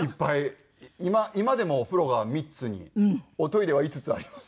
今今でもお風呂が３つにおトイレは５つあります。